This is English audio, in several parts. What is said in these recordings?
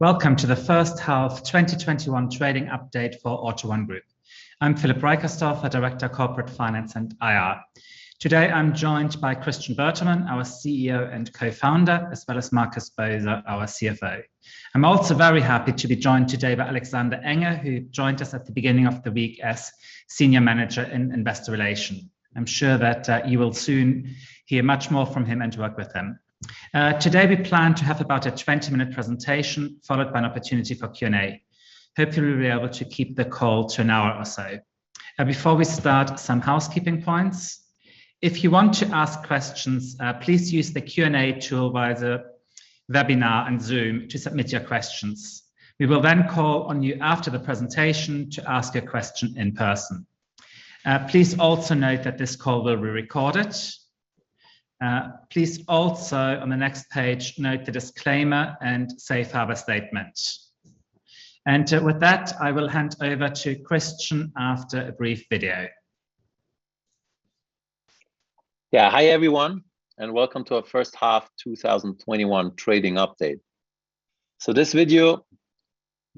Welcome to the first half 2021 trading update for AUTO1 Group. I'm Philip Reicherstorfer, Director of Corporate Finance and IR. Today I'm joined by Christian Bertermann, our CEO and co-founder, as well as Markus Boser, our CFO. I'm also very happy to be joined today by Alexander Enge, who joined us at the beginning of the week as Senior Manager in Investor Relations. I'm sure that you will soon hear much more from him and work with him. Today we plan to have about a 20-minute presentation, followed by an opportunity for Q&A. Hopefully, we'll be able to keep the call to an hour or so. Before we start, some housekeeping points. If you want to ask questions, please use the Q&A tool via the webinar and Zoom to submit your questions. We will then call on you after the presentation to ask a question in person. Please also note that this call will be recorded. Please also, on the next page, note the disclaimer and safe harbor statement. With that, I will hand over to Christian after a brief video. Yeah. Hi everyone, welcome to our first half 2021 trading update. This video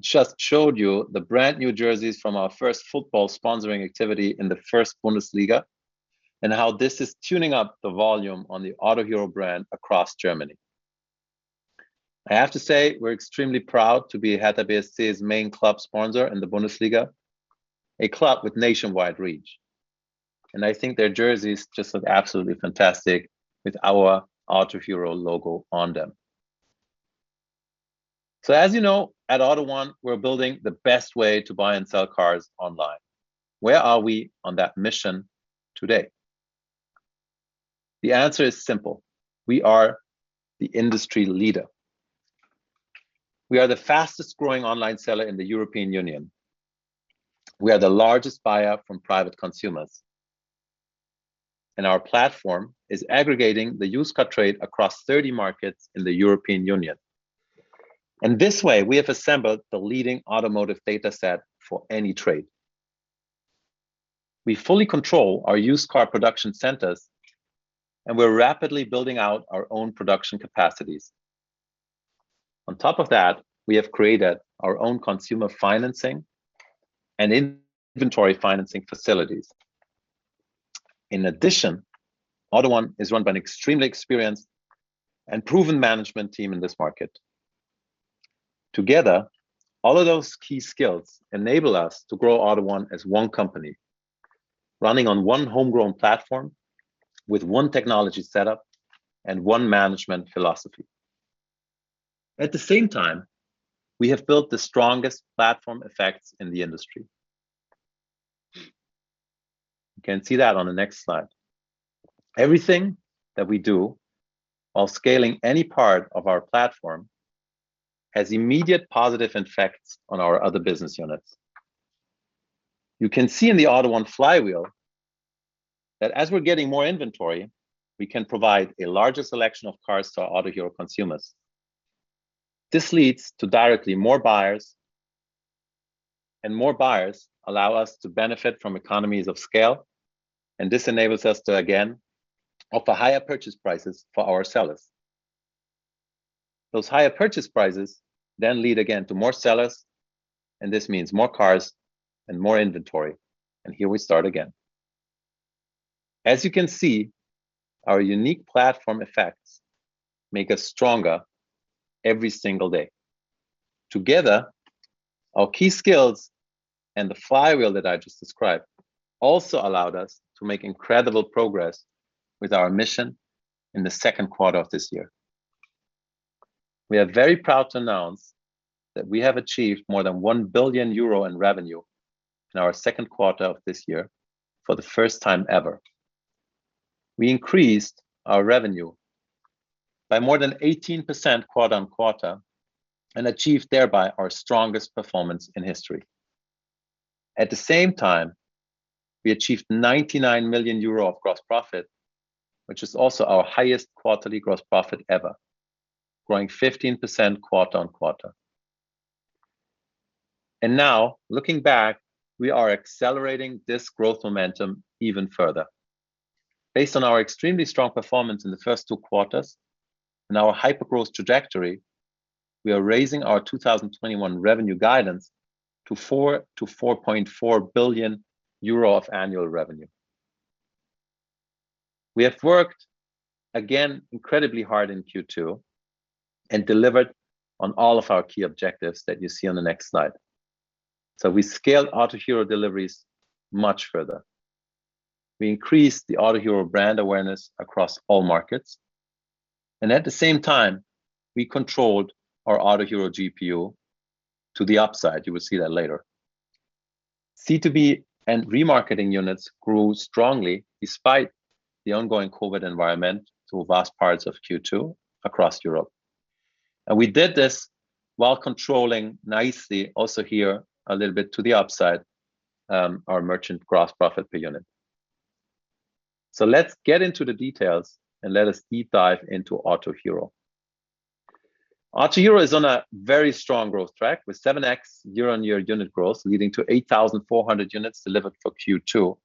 just showed you the brand-new jerseys from our first football sponsoring activity in the first Bundesliga, and how this is tuning up the volume on the Autohero brand across Germany. I have to say, we're extremely proud to be Hertha BSC's main club sponsor in the Bundesliga, a club with nationwide reach. I think their jerseys just look absolutely fantastic with our Autohero logo on them. As you know, at AUTO1, we're building the best way to buy and sell cars online. Where are we on that mission today? The answer is simple. We are the industry leader. We are the fastest-growing online seller in the European Union. We are the largest buyer from private consumers, our platform is aggregating the used car trade across 30 markets in the European Union. In this way, we have assembled the leading automotive dataset for any trade. We fully control our used car production centers, and we're rapidly building out our own production capacities. On top of that, we have created our own consumer financing and inventory financing facilities. In addition, AUTO1 is run by an extremely experienced and proven management team in this market. Together, all of those key skills enable us to grow AUTO1 as one company, running on one homegrown platform, with one technology setup and one management philosophy. At the same time, we have built the strongest platform effects in the industry. You can see that on the next slide. Everything that we do while scaling any part of our platform has immediate positive effects on our other business units. You can see in the AUTO1 flywheel that as we're getting more inventory, we can provide a larger selection of cars to our Autohero consumers. This leads to directly more buyers, and more buyers allow us to benefit from economies of scale, and this enables us to, again, offer higher purchase prices for our sellers. Those higher purchase prices then lead again to more sellers, and this means more cars and more inventory. Here we start again. As you can see, our unique platform effects make us stronger every single day. Together, our key skills and the flywheel that I just described also allowed us to make incredible progress with our mission in the second quarter of this year. We are very proud to announce that we have achieved more than 1 billion euro in revenue in our second quarter of this year for the first time ever. We increased our revenue by more than 18% quarter-on-quarter, achieved thereby our strongest performance in history. At the same time, we achieved 99 million euro of gross profit, which is also our highest quarterly gross profit ever, growing 15% quarter-on-quarter. Now, looking back, we are accelerating this growth momentum even further. Based on our extremely strong performance in the first two quarters and our hyper-growth trajectory, we are raising our 2021 revenue guidance to 4 billion-4.4 billion euro of annual revenue. We have worked again incredibly hard in Q2, delivered on all of our key objectives that you see on the next slide. We scaled Autohero deliveries much further. We increased the Autohero brand awareness across all markets, at the same time, we controlled our Autohero GPU to the upside. You will see that later. C2B and remarketing units grew strongly despite the ongoing COVID environment through vast parts of Q2 across Europe. We did this while controlling nicely, also here a little bit to the upside, our Merchant gross profit per unit. Let's get into the details and let us deep dive into Autohero. Autohero is on a very strong growth track with 7x year-on-year unit growth, leading to 8,400 units delivered for Q2,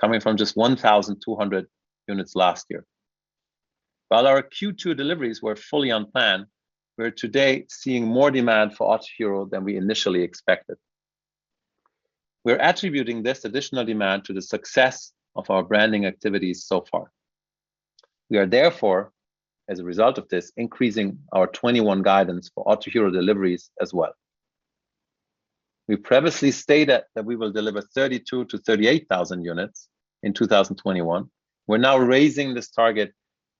coming from just 1,200 units last year. While our Q2 deliveries were fully on plan, we're today seeing more demand for Autohero than we initially expected. We're attributing this additional demand to the success of our branding activities so far. We are therefore, as a result of this, increasing our 2021 guidance for Autohero deliveries as well. We previously stated that we will deliver 32,000-38,000 units in 2021. We're now raising this target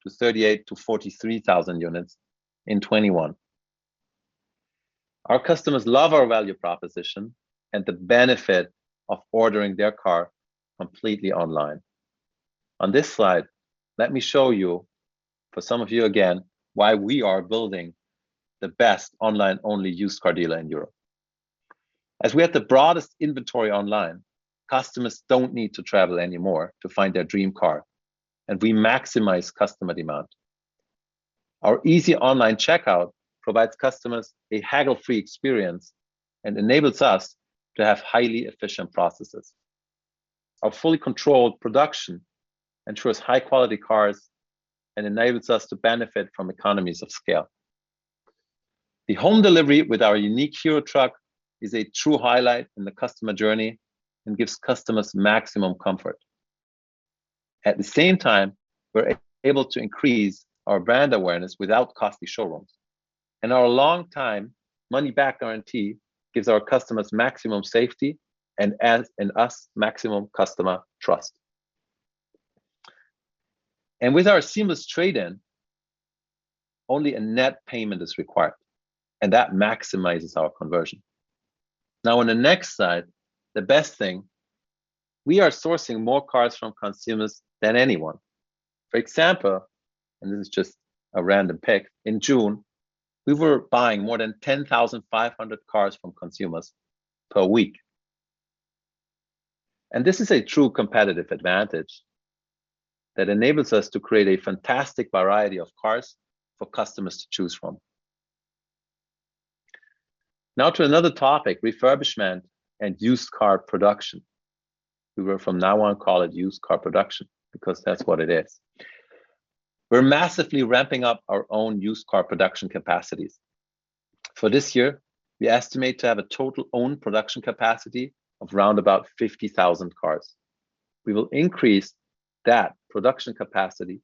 to 38,000-43,000 units in 2021. Our customers love our value proposition and the benefit of ordering their car completely online. On this slide, let me show you, for some of you again, why we are building the best online-only used car dealer in Europe. As we have the broadest inventory online, customers don't need to travel anymore to find their dream car, and we maximize customer demand. Our easy online checkout provides customers a haggle-free experience and enables us to have highly efficient processes. Our fully controlled production ensures high-quality cars and enables us to benefit from economies of scale. The home delivery with our unique Glass Truck is a true highlight in the customer journey and gives customers maximum comfort. At the same time, we're able to increase our brand awareness without costly showrooms. Our longtime money-back guarantee gives our customers maximum safety and us maximum customer trust. With our seamless trade-in, only a net payment is required, and that maximizes our conversion. Now, on the next slide, the best thing, we are sourcing more cars from consumers than anyone. For example, and this is just a random pick, in June, we were buying more than 10,500 cars from consumers per week. This is a true competitive advantage that enables us to create a fantastic variety of cars for customers to choose from. Now to another topic, refurbishment and used car production. We will from now on call it used car production, because that's what it is. We're massively ramping up our own used car production capacities. For this year, we estimate to have a total owned production capacity of around about 50,000 cars. We will increase that production capacity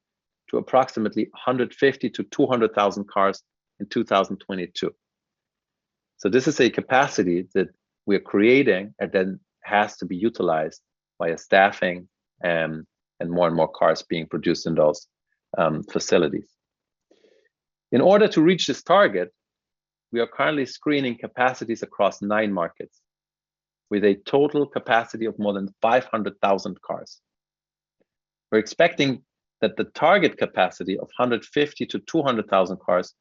to approximately 150,000 to 200,000 cars in 2022. This is a capacity that we're creating and then has to be utilized by a staffing and more and more cars being produced in those facilities. In order to reach this target, we are currently screening capacities across nine markets with a total capacity of more than 500,000 cars. We're expecting that the target capacity of 150,000 to 200,000 cars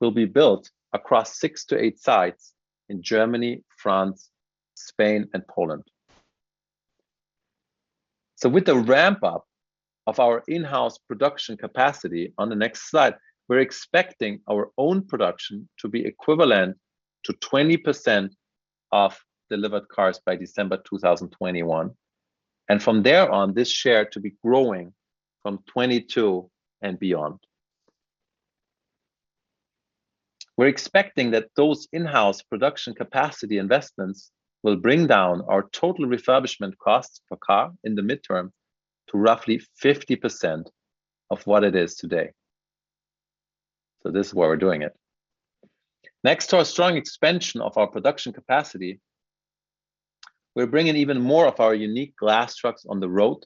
will be built across six to eight sites in Germany, France, Spain, and Poland. With the ramp-up of our in-house production capacity on the next slide, we're expecting our own production to be equivalent to 20% of delivered cars by December 2021. From there on, this share to be growing from 2022 and beyond. We're expecting that those in-house production capacity investments will bring down our total refurbishment costs per car in the midterm to roughly 50% of what it is today. This is why we're doing it. Next to our strong expansion of our production capacity, we're bringing even more of our unique Glass Trucks on the road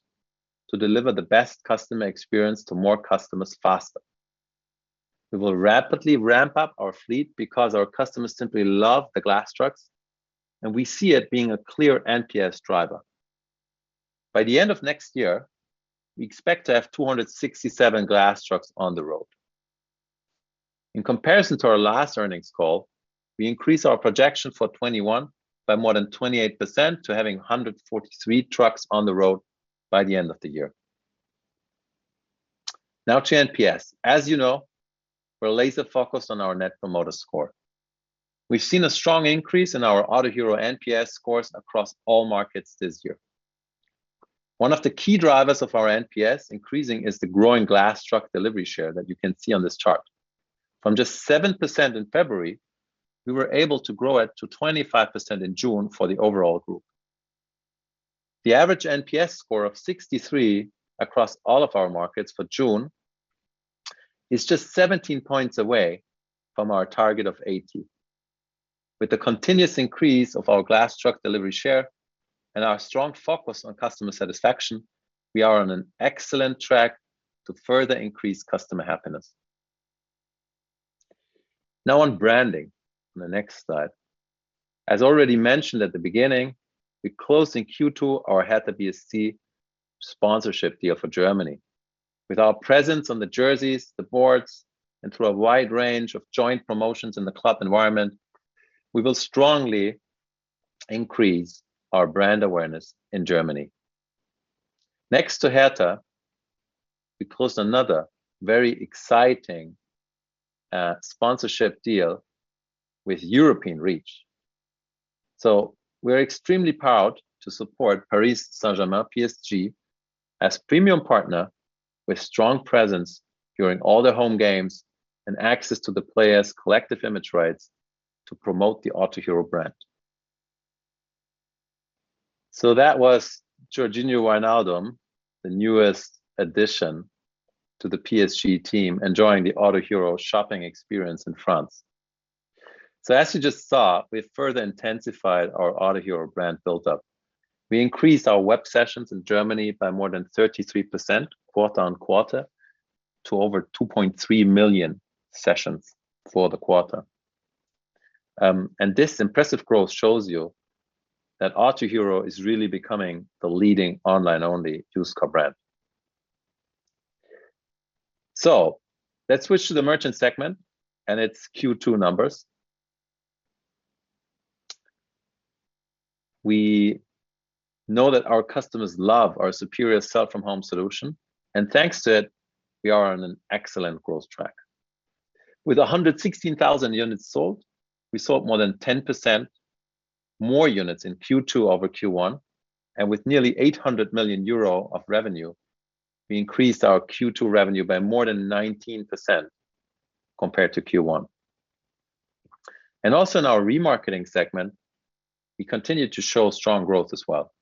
to deliver the best customer experience to more customers faster. We will rapidly ramp up our fleet because our customers simply love the Glass Trucks, and we see it being a clear NPS driver. By the end of next year, we expect to have 267 Glass Trucks on the road. In comparison to our last earnings call, we increase our projection for 2021 by more than 28% to having 143 trucks on the road by the end of the year. Now to NPS. As you know, we're laser-focused on our net promoter score. We've seen a strong increase in our Autohero NPS scores across all markets this year. One of the key drivers of our NPS increasing is the growing Glass Truck delivery share that you can see on this chart. From just 7% in February, we were able to grow it to 25% in June for the overall group. The average NPS score of 63 across all of our markets for June is just 17 points away from our target of 80. With the continuous increase of our Glass Truck delivery share and our strong focus on customer satisfaction, we are on an excellent track to further increase customer happiness. Now on branding, on the next slide. As already mentioned at the beginning, we closed in Q2 our Hertha BSC sponsorship deal for Germany. With our presence on the jerseys, the boards, and through a wide range of joint promotions in the club environment, we will strongly increase our brand awareness in Germany. Next to Hertha, we closed another very exciting sponsorship deal with European reach. We're extremely proud to support Paris Saint-Germain, PSG, as premium partner with strong presence during all their home games and access to the players' collective image rights to promote the Autohero brand. That was Georginio Wijnaldum, the newest addition to the PSG team, enjoying the Autohero shopping experience in France. As you just saw, we have further intensified our Autohero brand buildup. We increased our web sessions in Germany by more than 33% quarter-on-quarter to over 2.3 million sessions for the quarter. This impressive growth shows you that Autohero is really becoming the leading online-only used car brand. Let's switch to the Merchant segment and its Q2 numbers. We know that our customers love our superior sell-from-home solution, and thanks to it, we are on an excellent growth track. With 116,000 units sold, we sold more than 10% more units in Q2 over Q1, and with nearly 800 million euro of revenue, we increased our Q2 revenue by more than 19% compared to Q1. Also in our remarketing segment, we continued to show strong growth as well.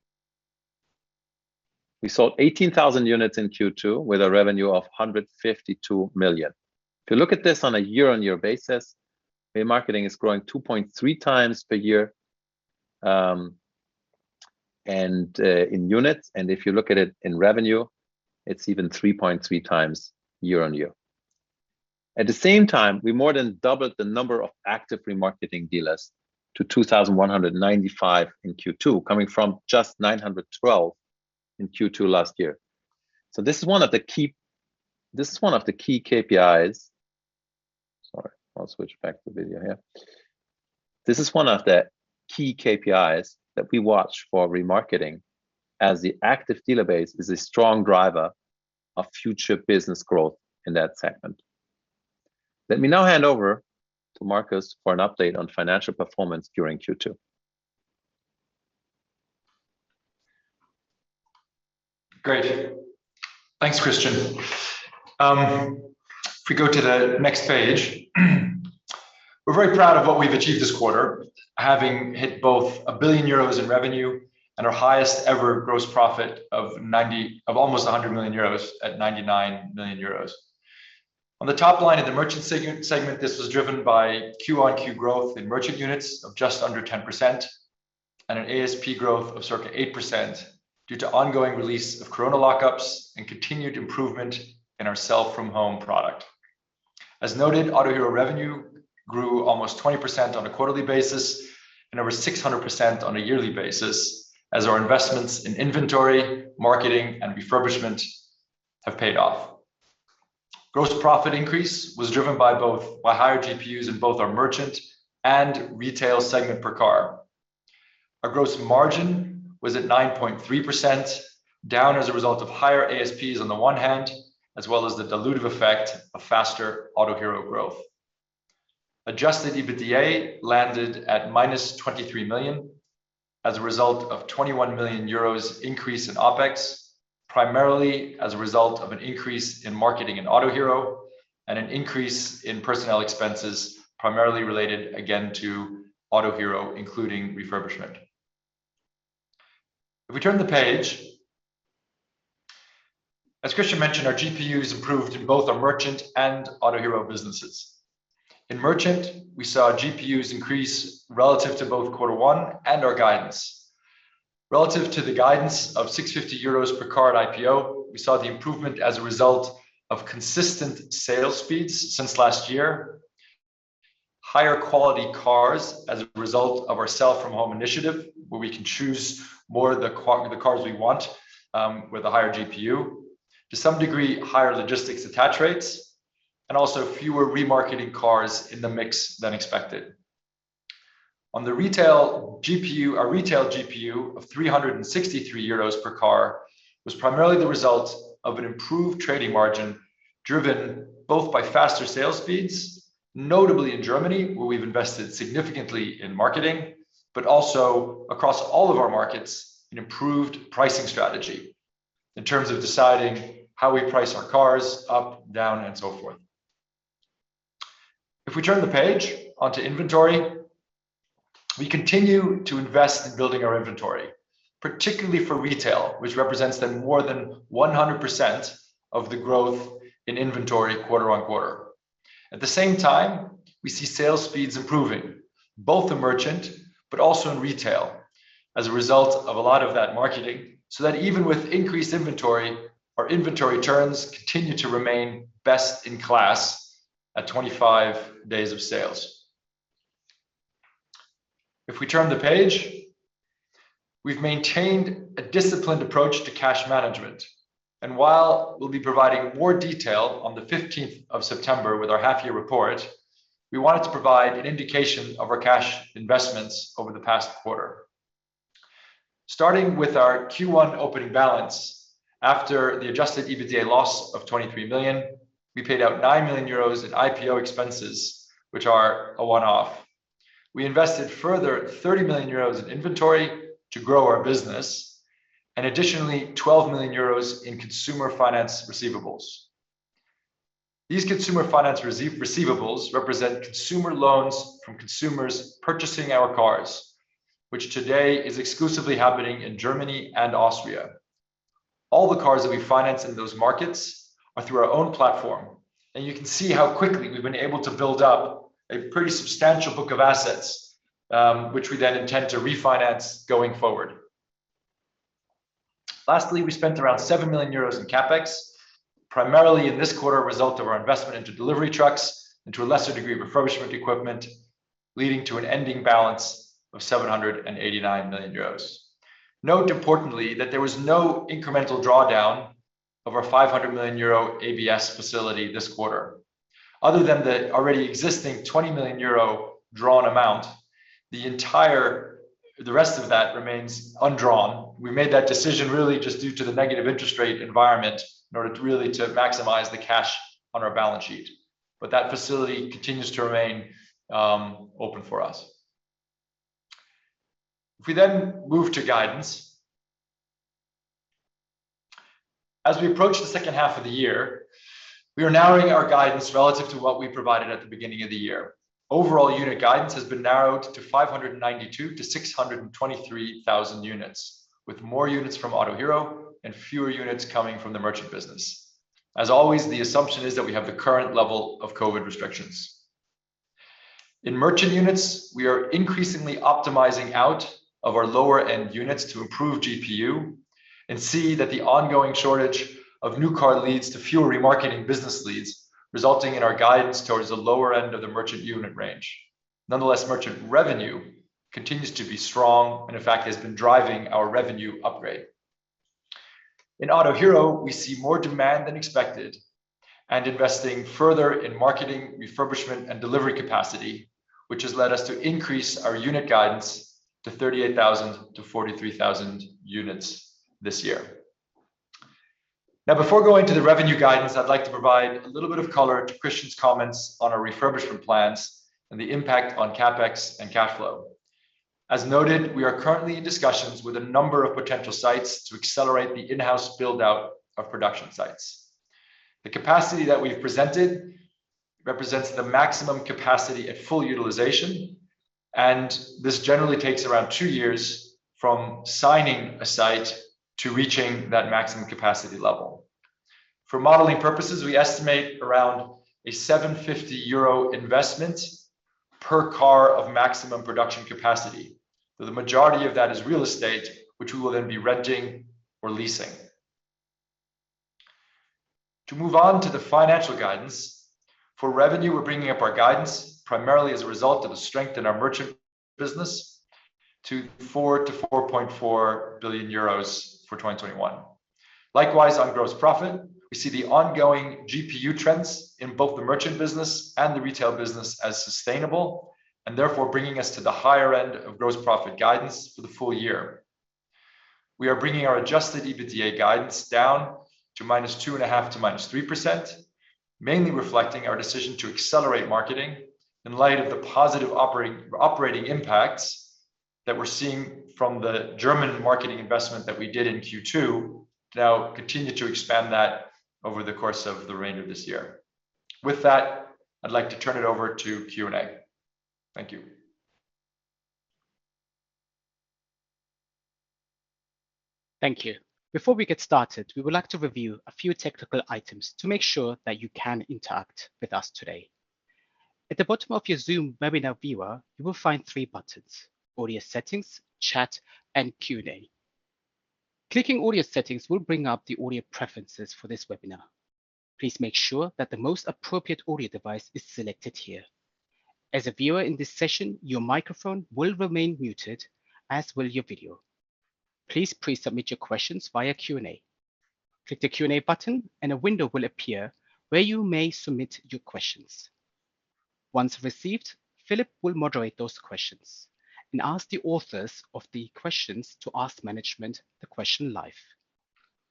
We sold 18,000 units in Q2 with a revenue of 152 million. If you look at this on a year-on-year basis, remarketing is growing 2.3x per year in units, and if you look at it in revenue, it's even 3.3x year-on-year. At the same time, we more than doubled the number of active remarketing dealers to 2,195 in Q2, coming from just 912 in Q2 last year. This is one of the key KPIs. Sorry, I'll switch back to video here. This is one of the key KPIs that we watch for remarketing, as the active dealer base is a strong driver of future business growth in that segment. Let me now hand over to Markus for an update on financial performance during Q2. Great. Thanks, Christian. If we go to the next page, we're very proud of what we've achieved this quarter, having hit both 1 billion euros in revenue and our highest-ever gross profit of almost 100 million euros at 99 million euros. On the top line of the Merchant segment, this was driven by Q-on-Q growth in merchant units of just under 10% and an ASP growth of circa 8% due to ongoing release of COVID lock-ups and continued improvement in our sell-from-home product. As noted, Autohero revenue grew almost 20% on a quarterly basis and over 600% on a yearly basis as our investments in inventory, marketing, and refurbishment have paid off. Gross profit increase was driven by higher GPUs in both our Merchant and Retail segment per car. Our gross margin was at 9.3%, down as a result of higher ASPs on the one hand, as well as the dilutive effect of faster Autohero growth. Adjusted EBITDA landed at minus 23 million as a result of 21 million euros increase in OpEx, primarily as a result of an increase in marketing in Autohero and an increase in personnel expenses, primarily related, again, to Autohero, including refurbishment. If we turn the page, as Christian mentioned, our GPUs improved in both our merchant and Autohero businesses. In merchant, we saw our GPUs increase relative to both quarter one and our guidance. Relative to the guidance of 650 euros per car at IPO, we saw the improvement as a result of consistent sales speeds since last year, higher-quality cars as a result of our Sell-from-Home Initiative, where we can choose more of the cars we want with a higher GPU, to some degree, higher logistics attach rates, and also fewer remarketing cars in the mix than expected. On the Retail GPU, our Retail GPU of 363 euros per car was primarily the result of an improved trading margin driven both by faster sales speeds, notably in Germany, where we've invested significantly in marketing, but also across all of our markets, an improved pricing strategy in terms of deciding how we price our cars up, down, and so forth. If we turn the page onto inventory, we continue to invest in building our inventory, particularly for Retail segment, which represents then more than 100% of the growth in inventory quarter-on-quarter. At the same time, we see sales speeds improving both in Merchant segment but also in Retail segment as a result of a lot of that marketing, even with increased inventory, our inventory turns continue to remain best in class at 25 days of sales. If we turn the page, we've maintained a disciplined approach to cash management. While we'll be providing more detail on the 15th of September with our half-year report, we wanted to provide an indication of our cash investments over the past quarter. Starting with our Q1 opening balance, after the adjusted EBITDA loss of 23 million, we paid out 9 million euros in IPO expenses, which are a one-off. We invested further 30 million euros in inventory to grow our business, and additionally, 12 million euros in consumer finance receivables. These consumer finance receivables represent consumer loans from consumers purchasing our cars, which today is exclusively happening in Germany and Austria. All the cars that we finance in those markets are through our own platform, you can see how quickly we've been able to build up a pretty substantial book of assets, which we then intend to refinance going forward. Lastly, we spent around 7 million euros in CapEx, primarily in this quarter, a result of our investment into delivery trucks and to a lesser degree, refurbishment equipment, leading to an ending balance of 789 million euros. Note importantly, that there was no incremental drawdown of our 500 million euro ABS facility this quarter. Other than the already existing 20 million euro drawn amount, the rest of that remains undrawn. We made that decision really just due to the negative interest rate environment in order to really maximize the cash on our balance sheet. That facility continues to remain open for us. If we then move to guidance, as we approach the second half of the year, we are narrowing our guidance relative to what we provided at the beginning of the year. Overall unit guidance has been narrowed to 592,000-623,000 units, with more units from Autohero and fewer units coming from the Merchant segment. As always, the assumption is that we have the current level of COVID restrictions. In merchant units, we are increasingly optimizing out of our lower-end units to improve GPU and see that the ongoing shortage of new car leads to fewer remarketing business leads, resulting in our guidance towards the lower end of the merchant unit range. Nonetheless, merchant revenue continues to be strong and in fact has been driving our revenue upgrade. In Autohero, we see more demand than expected and investing further in marketing, refurbishment, and delivery capacity, which has led us to increase our unit guidance to 38,000-43,000 units this year. Before going to the revenue guidance, I'd like to provide a little bit of color to Christian's comments on our refurbishment plans and the impact on CapEx and cash flow. As noted, we are currently in discussions with a number of potential sites to accelerate the in-house build-out of production sites. The capacity that we've presented represents the maximum capacity at full utilization, and this generally takes around two years from signing a site to reaching that maximum capacity level. For modeling purposes, we estimate around a 750 euro investment per car of maximum production capacity. The majority of that is real estate, which we will then be renting or leasing. For revenue, we're bringing up our guidance primarily as a result of the strength in our Merchant segment to 4 billion-4.4 billion euros for 2021. Likewise, on gross profit, we see the ongoing GPU trends in both the Merchant segment and the Retail segment as sustainable and therefore bringing us to the higher end of gross profit guidance for the full year. We are bringing our adjusted EBITDA guidance down to -2.5% to -3%, mainly reflecting our decision to accelerate marketing in light of the positive operating impacts that we're seeing from the German marketing investment that we did in Q2, to now continue to expand that over the course of the remainder of this year. With that, I'd like to turn it over to Q&A. Thank you. Thank you. Before we get started, we would like to review a few technical items to make sure that you can interact with us today. At the bottom of your Zoom webinar viewer, you will find three buttons, audio settings, chat, and Q&A. Clicking audio settings will bring up the audio preferences for this webinar. Please make sure that the most appropriate audio device is selected here. As a viewer in this session, your microphone will remain muted, as will your video. Please pre-submit your questions via Q&A. Click the Q&A button and a window will appear where you may submit your questions. Once received, Philip will moderate those questions and ask the authors of the questions to ask management the question live.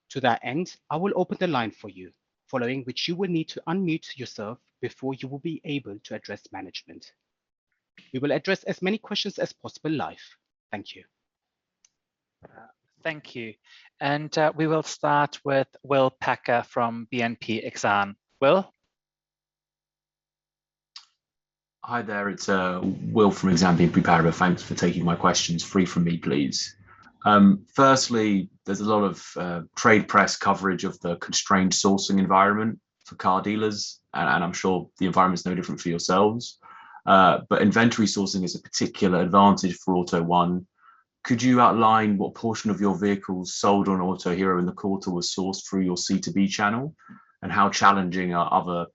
To that end, I will open the line for you, following which you will need to unmute yourself before you will be able to address management. We will address as many questions as possible live. Thank you. Thank you. We will start with Will Packer from Exane BNP Paribas. Will? Hi there, it's Will from Exane BNP Paribas. Thanks for taking my questions. Three from me, please. Firstly, there's a lot of trade press coverage of the constrained sourcing environment for car dealers, and I'm sure the environment's no different for yourselves. Inventory sourcing is a particular advantage for AUTO1. Could you outline what portion of your vehicles sold on Autohero in the quarter was sourced through your C2B channel, and how challenging are other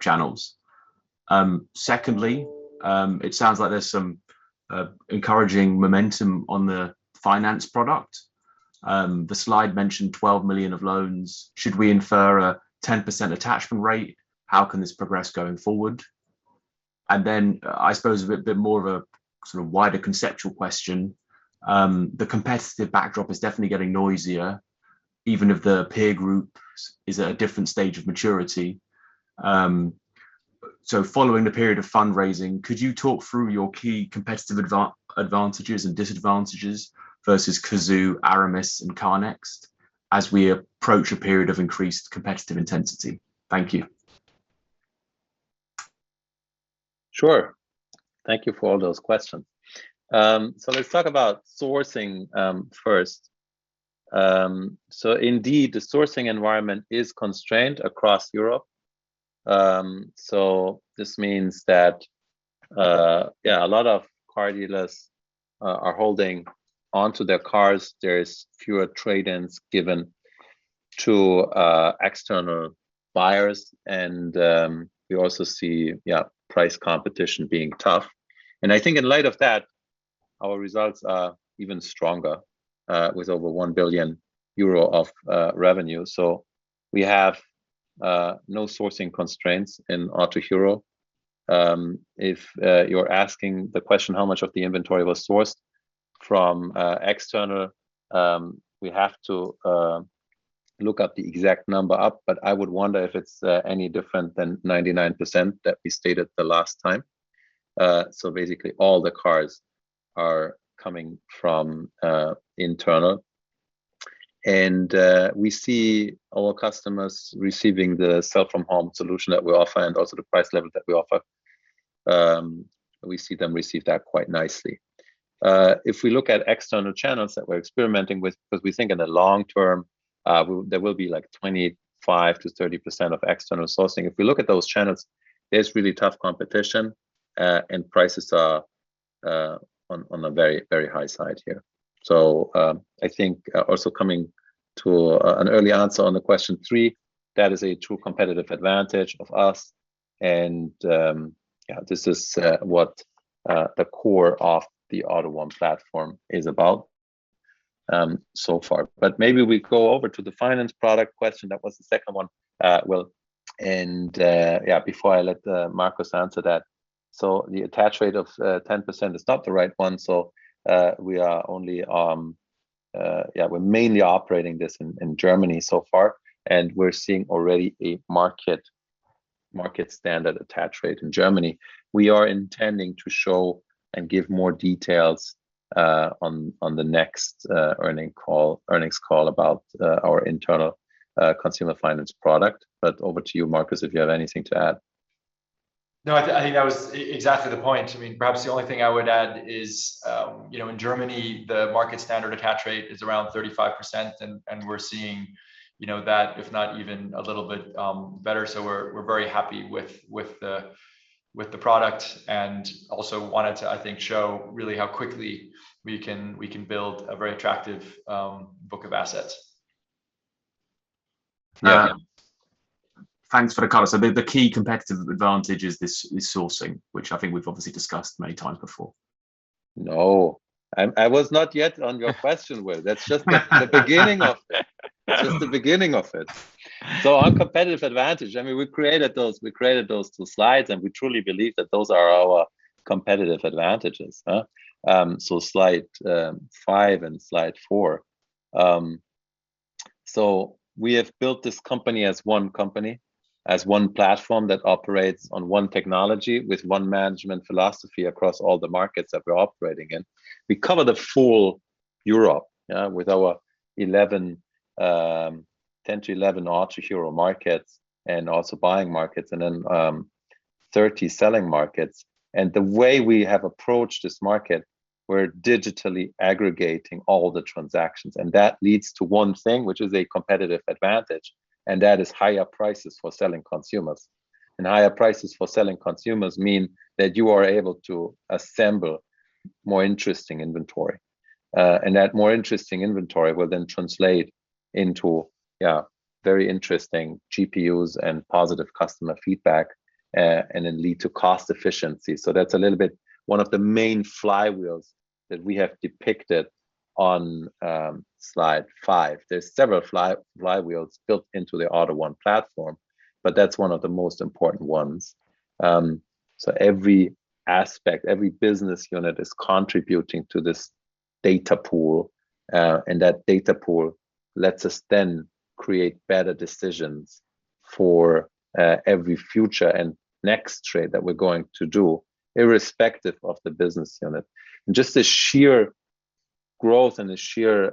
channels? Secondly, it sounds like there's some encouraging momentum on the finance product. The slide mentioned 12 million of loans. Should we infer a 10% attachment rate? How can this progress going forward? Then I suppose a bit more of a sort of wider conceptual question. The competitive backdrop is definitely getting noisier, even if the peer group is at a different stage of maturity. Following the period of fundraising, could you talk through your key competitive advantages and disadvantages versus Cazoo, Aramis, and CarNext, as we approach a period of increased competitive intensity? Thank you. Sure. Thank you for all those questions. Let's talk about sourcing first. Indeed, the sourcing environment is constrained across Europe. This means that a lot of car dealers are holding onto their cars. There's fewer trade-ins given to external buyers and we also see price competition being tough. I think in light of that, our results are even stronger, with over 1 billion euro of revenue. We have no sourcing constraints in Autohero. If you're asking the question, how much of the inventory was sourced from external, we have to look up the exact number up, but I would wonder if it's any different than 99% that we stated the last time. Basically, all the cars are coming from internal. We see our customers receiving the sell-from-home solution that we offer and also the price level that we offer. We see them receive that quite nicely. If we look at external channels that we're experimenting with, because we think in the long term, there will be like 25% to 30% of external sourcing. If we look at those channels, there's really tough competition, and prices are on a very high side here. I think also coming to an early answer on the question three, that is a true competitive advantage of us, and this is what the core of the AUTO1 platform is about so far. Maybe we go over to the finance product question. That was the second one. Before I let Markus answer that, the attach rate of 10% is not the right one. We're mainly operating this in Germany so far, and we're seeing already a market standard attach rate in Germany. We are intending to show and give more details on the next earnings call about our internal consumer finance product. Over to you, Markus, if you have anything to add. I think that was exactly the point. Perhaps the only thing I would add is, in Germany, the market standard attach rate is around 35%, and we're seeing that, if not even a little bit better. We're very happy with the product and also wanted to, I think show really how quickly we can build a very attractive book of assets. Yeah. Thanks for the color. The key competitive advantage is sourcing, which I think we've obviously discussed many times before. No, I was not yet on your question, Will. That's just the beginning of it. That's just the beginning of it. Our competitive advantage, we created those two slides, and we truly believe that those are our competitive advantages. Slide five and slide four. We have built this company as one company, as one platform that operates on one technology with one management philosophy across all the markets that we're operating in. We cover the full Europe with our 10-11 Autohero markets and also buying markets, and then 30 selling markets. The way we have approached this market, we're digitally aggregating all the transactions, and that leads to one thing, which is a competitive advantage, and that is higher prices for selling consumers. Higher prices for selling consumers mean that you are able to assemble more interesting inventory. That more interesting inventory will then translate into very interesting GPUs and positive customer feedback, and then lead to cost efficiency. That's a little bit one of the main flywheels that we have depicted on slide five. There's several flywheels built into the AUTO1 platform, but that's one of the most important ones. Every aspect, every business unit is contributing to this data pool, and that data pool lets us then create better decisions for every future and next trade that we're going to do, irrespective of the business unit. Just the sheer growth and the sheer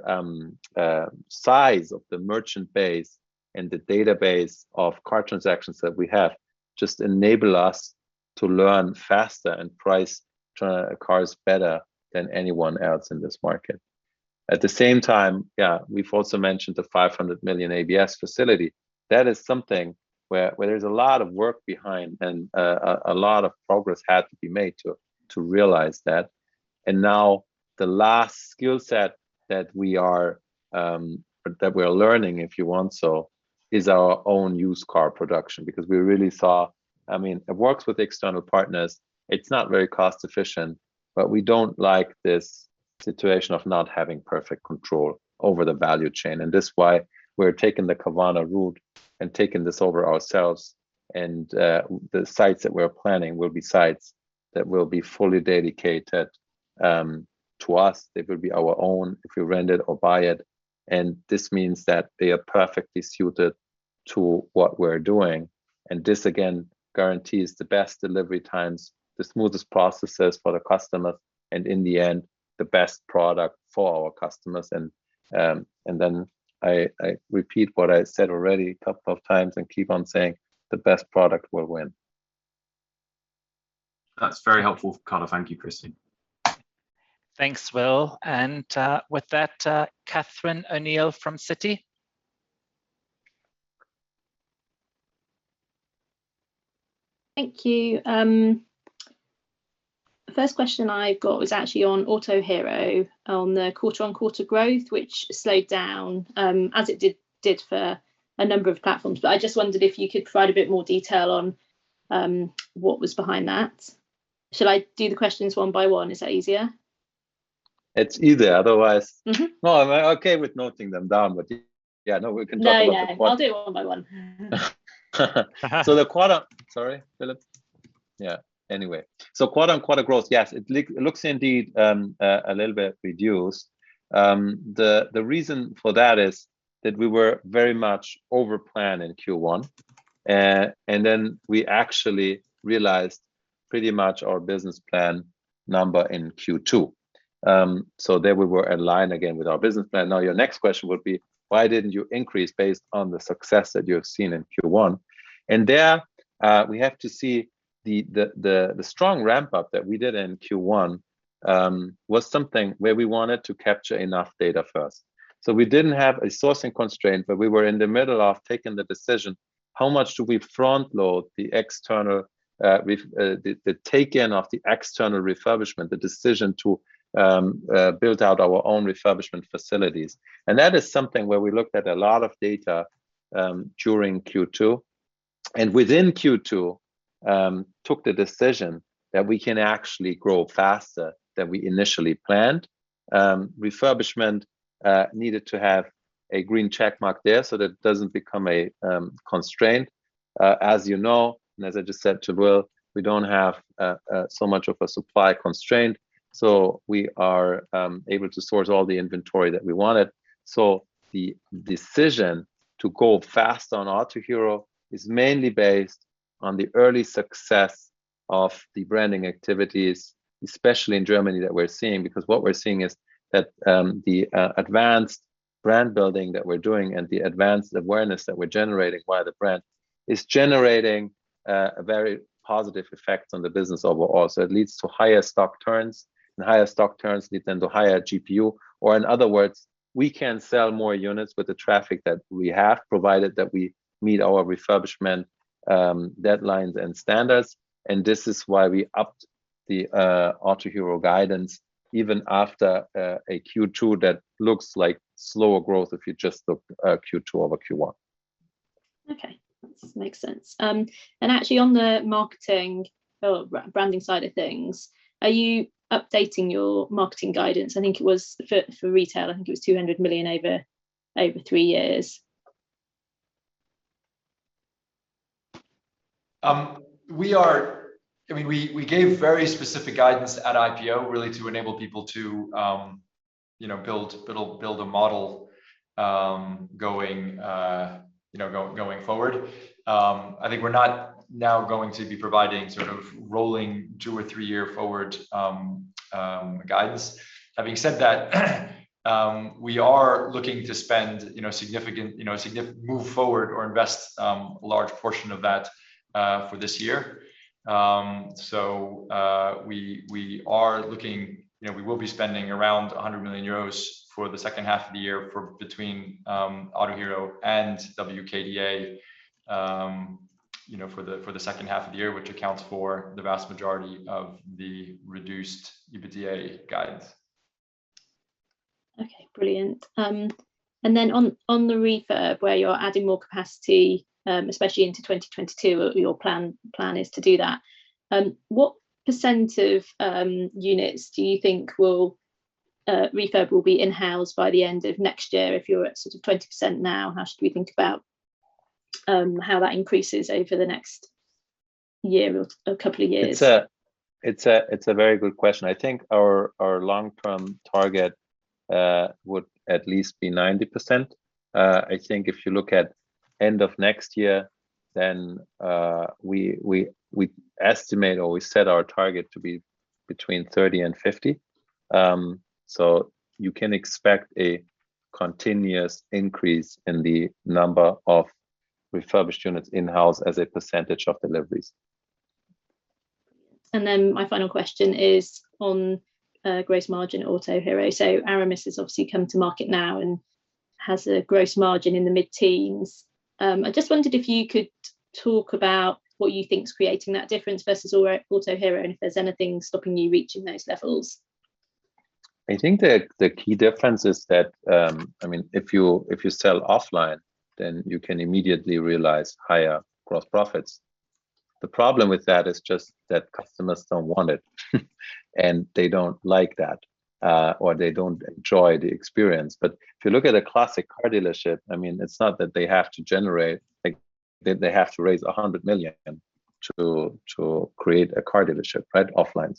size of the merchant base and the database of car transactions that we have just enable us to learn faster and price cars better than anyone else in this market. At the same time, we've also mentioned the 500 million ABS facility. That is something where there's a lot of work behind and a lot of progress had to be made to realize that. Now the last skill set that we are learning, if you want so, is our own used car production. Because we really saw it works with external partners. It's not very cost efficient, but we don't like this situation of not having perfect control over the value chain. This is why we're taking the Carvana route and taken this over ourselves, and the sites that we're planning will be sites that will be fully dedicated to us. They will be our own if we rent it or buy it, and this means that they are perfectly suited to what we're doing. This, again, guarantees the best delivery times, the smoothest processes for the customer, and in the end, the best product for our customers. I repeat what I said already a couple of times and keep on saying the best product will win. That's very helpful, Philip. Thank you. Christian. Thanks, Will. With that, Catherine O'Neill from Citi. Thank you. The first question I've got was actually on Autohero, on the quarter-on-quarter growth, which slowed down, as it did for a number of platforms. I just wondered if you could provide a bit more detail on what was behind that. Should I do the questions one by one? Is that easier? It's easier. No, I'm okay with noting them down. yeah, no, we can talk about. No, I'll do it one by one. Sorry, Philip. Yeah. Quarter-on-quarter growth, yes, it looks indeed a little bit reduced. The reason for that is that we were very much over plan in Q1, we actually realized pretty much our business plan number in Q2. There we were aligned again with our business plan. Your next question would be, why didn't you increase based on the success that you have seen in Q1? We have to see the strong ramp-up that we did in Q1 was something where we wanted to capture enough data first. We didn't have a sourcing constraint, but we were in the middle of taking the decision, how much do we front-load the take-in of the external refurbishment, the decision to build out our own refurbishment facilities? That is something where we looked at a lot of data during Q2, and within Q2, took the decision that we can actually grow faster than we initially planned. Refurbishment needed to have a green checkmark there so that it doesn't become a constraint. As you know, and as I just said to Will, we don't have so much of a supply constraint, so we are able to source all the inventory that we wanted. The decision to go fast on Autohero is mainly based on the early success of the branding activities, especially in Germany that we're seeing, because what we're seeing is that the advanced brand building that we're doing and the advanced awareness that we're generating via the brand is generating a very positive effect on the business overall. It leads to higher stock turns, and higher stock turns lead then to higher GPU, or in other words, we can sell more units with the traffic that we have, provided that we meet our refurbishment deadlines and standards, and this is why we upped the Autohero guidance even after a Q2 that looks like slower growth if you just look at Q2 over Q1. Okay. That makes sense. Actually on the marketing or branding side of things, are you updating your marketing guidance? I think it was, for retail, I think it was 200 million over three years. We gave very specific guidance at IPO, really to enable people to build a model going forward. I think we're not now going to be providing rolling two or three year forward guidance. Having said that, we are looking to invest a large portion of that for this year. We will be spending around 100 million euros for the second half of the year between Autohero and WKDA, which accounts for the vast majority of the reduced EBITDA guidance. Okay. Brilliant. On the refurb where you're adding more capacity, especially into 2022, or your plan is to do that, what percentage of units do you think refurb will be in-house by the end of next year? If you're at 20% now, how should we think about how that increases over the next year or a couple of years? It's a very good question. I think our long-term target would at least be 90%. I think if you look at end of next year, then we estimate or we set our target to be between 30% and 50%. You can expect a continuous increase in the number of refurbished units in-house as a percentage of deliveries. My final question is on gross margin at Autohero. Aramis has obviously come to market now and has a gross margin in the mid-teens. I just wondered if you could talk about what you think is creating that difference versus Autohero, and if there's anything stopping you reaching those levels. I think the key difference is that, if you sell offline, then you can immediately realize higher gross profits. The problem with that is just that customers don't want it, and they don't like that, or they don't enjoy the experience. If you look at a classic car dealership, it's not that they have to raise 100 million to create a car dealership offline.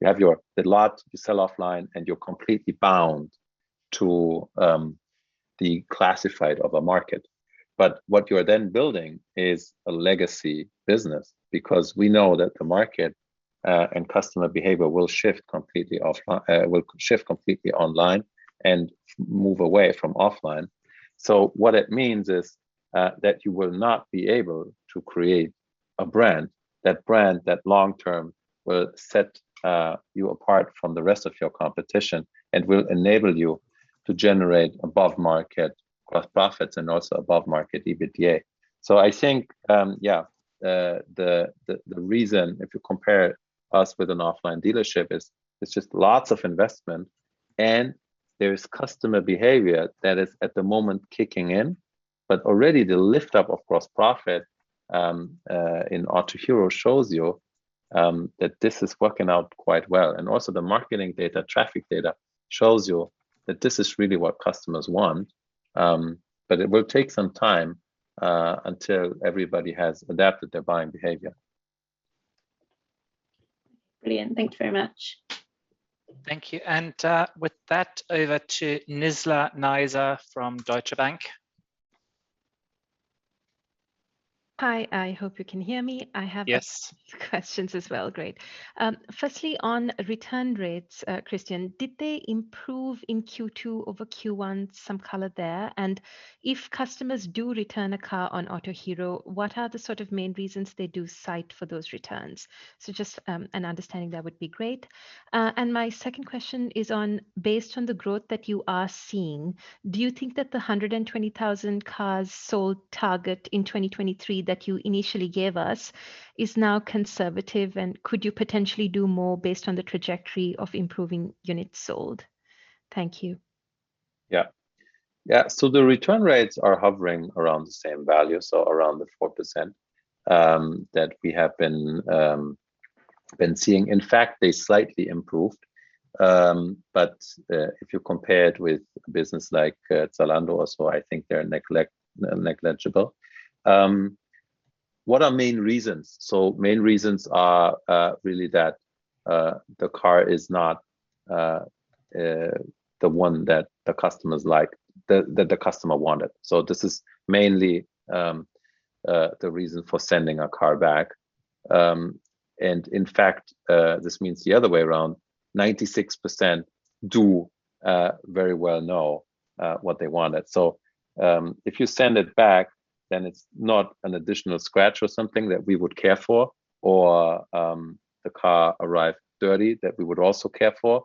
You have your lot, you sell offline, and you're completely bound to the classified of a market. What you are then building is a legacy business because we know that the market and customer behavior will shift completely online and move away from offline. What it means is that you will not be able to create a brand, that brand that long term will set you apart from the rest of your competition and will enable you to generate above-market profits and also above-market EBITDA. I think, yeah, the reason, if you compare us with an offline dealership, is it's just lots of investment and there is customer behavior that is at the moment kicking in, but already the lift up of gross profit, in Autohero shows you that this is working out quite well. Also the marketing data, traffic data, shows you that this is really what customers want. It will take some time until everybody has adapted their buying behavior. Brilliant. Thank you very much. Thank you. With that, over to Nizla Naizer from Deutsche Bank. Hi, I hope you can hear me. Yes. I have questions as well. Great. Firstly, on return rates, Christian, did they improve in Q2 over Q1? Some color there. If customers do return a car on Autohero, what are the sort of main reasons they do cite for those returns? Just an understanding there would be great. My second question is on, based on the growth that you are seeing, do you think that the 120,000 cars sold target in 2023 that you initially gave us is now conservative and could you potentially do more based on the trajectory of improving units sold? Thank you. Yeah. The return rates are hovering around the same value, around the 4%, that we have been seeing. In fact, they slightly improved, but if you compare it with a business like Zalando or so, I think they're negligible. What are main reasons? Main reasons are really that the car is not the one that the customer wanted. This is mainly the reason for sending a car back. In fact, this means the other way around, 96% do very well know what they wanted. If you send it back, then it's not an additional scratch or something that we would care for or, the car arrived dirty that we would also care for.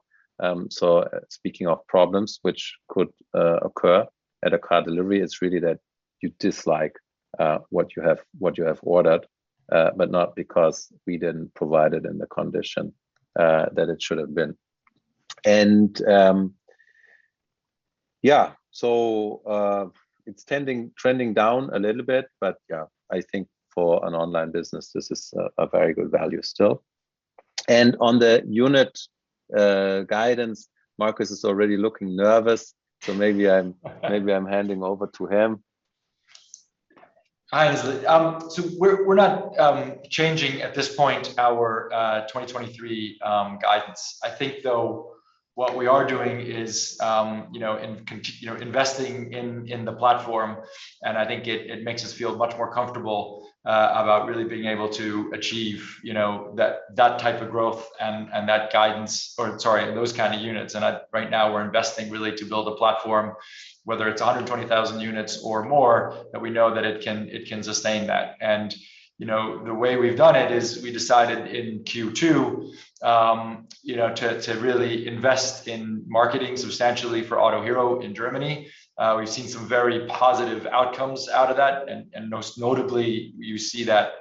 Speaking of problems which could occur at a car delivery, it's really that you dislike what you have ordered, but not because we didn't provide it in the condition that it should've been. Yeah, it's trending down a little bit, but, yeah, I think for an online business, this is a very good value still. On the unit guidance, Markus is already looking nervous, so maybe I'm handing over to him. Hi, Nizla. We're not changing, at this point, our 2023 guidance. I think, though, what we are doing is investing in the platform, and I think it makes us feel much more comfortable about really being able to achieve that type of growth and that guidance, or, sorry, those kind of units. Right now we're investing really to build a platform, whether it's 120,000 units or more, that we know that it can sustain that. The way we've done it is we decided in Q2 to really invest in marketing substantially for Autohero in Germany. We've seen some very positive outcomes out of that, and most notably, you see that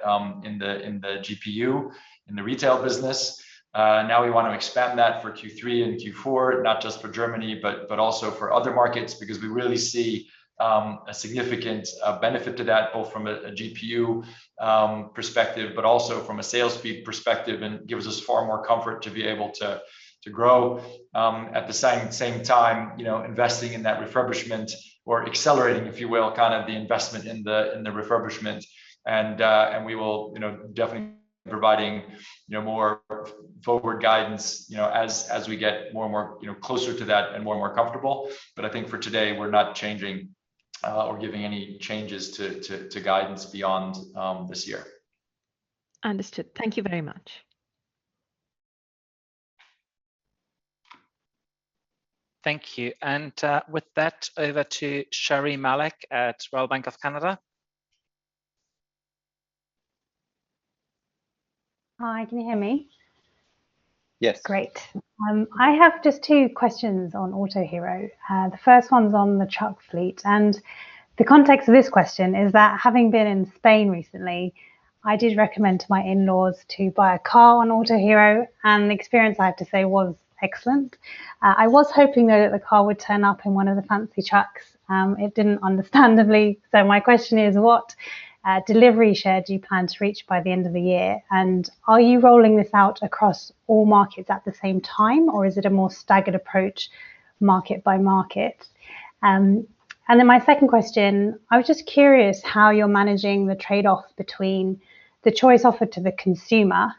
in the GPU, in the Retail business. Now we want to expand that for Q3 and Q4, not just for Germany, but also for other markets, because we really see a significant benefit to that, both from a GPU perspective, but also from a sales speed perspective. It gives us far more comfort to be able to grow, at the same time, investing in that refurbishment or accelerating, if you will, the investment in the refurbishment. We will definitely be providing more forward guidance as we get more and more closer to that and more and more comfortable. I think for today, we're not changing or giving any changes to guidance beyond this year. Understood. Thank you very much. Thank you. With that, over to Sherri Malek at Royal Bank of Canada. Hi, can you hear me? Yes. Great. I have just two questions on Autohero. The first one's on the truck fleet. The context of this question is that having been in Spain recently, I did recommend to my in-laws to buy a car on Autohero, and the experience, I have to say, was excellent. I was hoping, though, that the car would turn up in one of the fancy trucks. It didn't, understandably. My question is, what delivery share do you plan to reach by the end of the year? Are you rolling this out across all markets at the same time, or is it a more staggered approach market by market? My second question, I was just curious how you're managing the trade-off between the choice offered to the consumer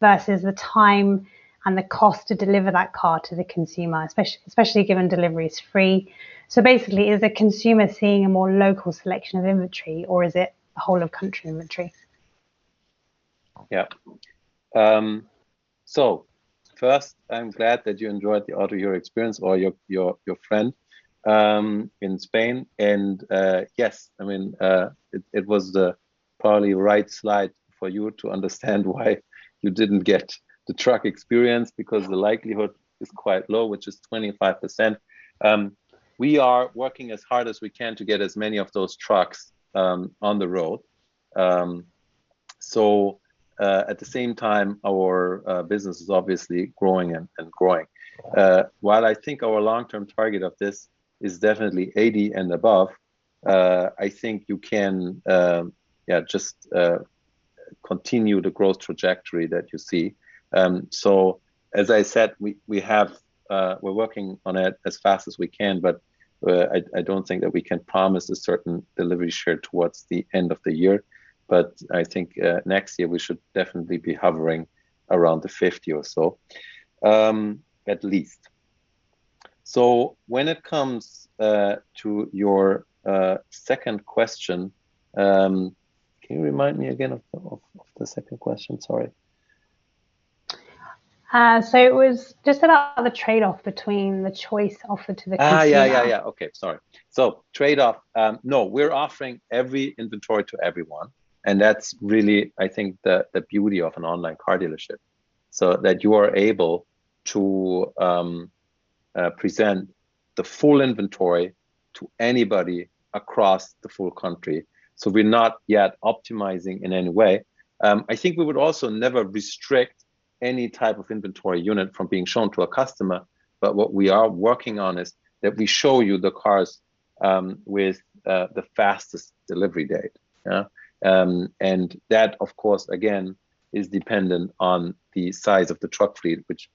versus the time and the cost to deliver that car to the consumer, especially given delivery is free. Basically, is the consumer seeing a more local selection of inventory or is it whole of country inventory? First, I'm glad that you enjoyed the Autohero experience or your friend in Spain. Yes, it was the probably right slide for you to understand why you didn't get the truck experience because the likelihood is quite low, which is 25%. We are working as hard as we can to get as many of those trucks on the road. At the same time, our business is obviously growing and growing. While I think our long-term target of this is definitely 80% and above, I think you can just continue the growth trajectory that you see. As I said, we're working on it as fast as we can, I don't think that we can promise a certain delivery share towards the end of the year. I think, next year we should definitely be hovering around the 50% or so, at least. When it comes to your second question, can you remind me again of the second question? Sorry. It was just about the trade-off between the choice offered to the consumer. Trade-off. We're offering every inventory to everyone, and that's really, I think, the beauty of an online car dealership, that you are able to present the full inventory to anybody across the full country. We're not yet optimizing in any way. I think we would also never restrict any type of inventory unit from being shown to a customer, but what we are working on is that we show you the cars with the fastest delivery date. That, of course, again, is dependent on the size of the truck fleet, which